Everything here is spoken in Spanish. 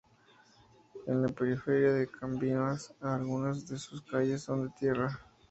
En la periferia de Cabimas, algunas de sus calles son de tierra.